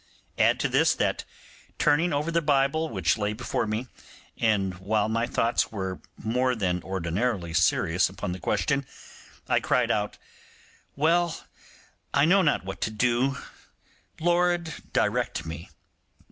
Add to this, that, turning over the Bible which lay before me, and while my thoughts were more than ordinarily serious upon the question, I cried out, 'Well, I know not what to do; Lord, direct me